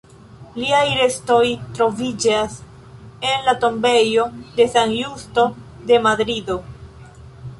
Liaj restoj troviĝas en la tombejo de San Justo de Madrido.